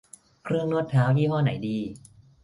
เครื่องนวดเท้ายี่ห้อไหนดี